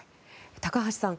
高橋さん